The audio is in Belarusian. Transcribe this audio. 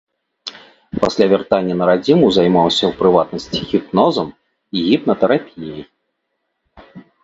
Пасля вяртання на радзіму займаўся, у прыватнасці, гіпнозам і гіпнатэрапіяй.